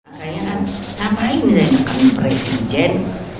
makanya kan ngapain misalnya kamu presiden